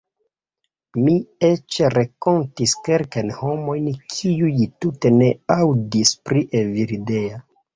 Mi eĉ renkontis kelkajn homojn kiuj tute ne aŭdis pri Evildea.